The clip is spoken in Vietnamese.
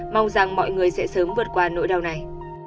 mong rằng mọi người sẽ sớm vượt qua nỗi đau này